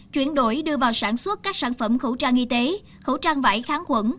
chuyển đổi đưa vào sản xuất các sản phẩm khẩu trang y tế khẩu trang vải kháng khuẩn